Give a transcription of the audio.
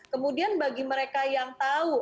kemudian bagi mereka yang tahu